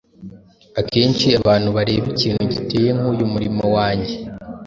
Akenshi abantu bareba ikintu giteye nk’uyu murimo wanjye,